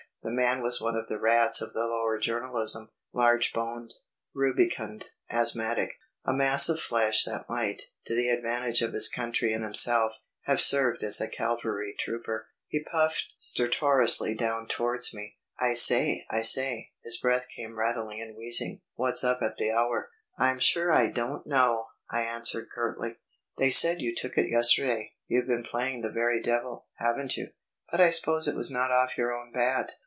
The man was one of the rats of the lower journalism, large boned, rubicund, asthmatic; a mass of flesh that might, to the advantage of his country and himself, have served as a cavalry trooper. He puffed stertorously down towards me. "I say, I say," his breath came rattling and wheezing. "What's up at the Hour?" "I'm sure I don't know," I answered curtly. "They said you took it yesterday. You've been playing the very devil, haven't you? But I suppose it was not off your own bat?"